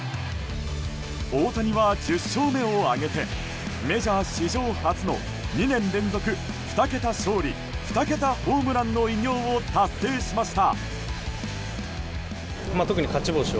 大谷は１０勝目を挙げてメジャー史上初の２年連続２桁勝利２桁ホームランの偉業を達成しました。